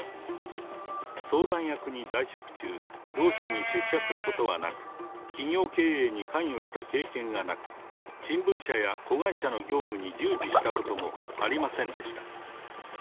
相談役に在職中、同社に出社することはなく、企業経営に関与した経験がなく、新聞社や子会社の業務に従事したこともありませんでした。